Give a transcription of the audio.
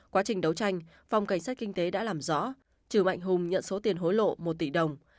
quá trình đấu tranh phòng cảnh sát kinh tế đã làm rõ trừ mạnh hùng nhận số tiền hối lộ một tỷ đồng